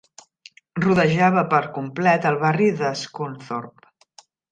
Rodejava per complet el barri de Scunthorpe.